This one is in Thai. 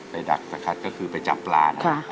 ดักสคัดก็คือไปจับปลานะครับ